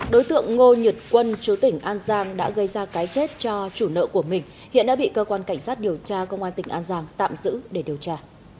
đối tượng ngô nhật quân chú tỉnh an giang đã gây ra cái chết cho chủ nợ của mình hiện đã bị cơ quan cảnh sát điều tra công an tỉnh an giang tạm giữ để điều tra